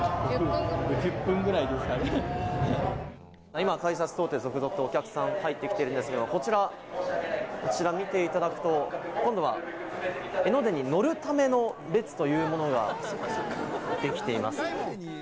今、改札を通ってぞくぞくとお客さんが入ってきてるんですが、こちら見ていただくと今度は江ノ電に乗るための列というものができています。